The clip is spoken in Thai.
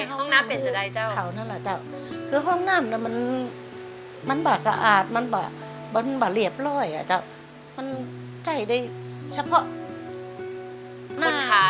ก็เวลานี่เขาก็เอ่ยเอามือเนี่ยจับจับไอ้ฝาห้องน้ำอ่ะ